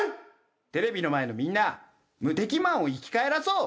テレビの前のみんなムテキマンを生き返らそう！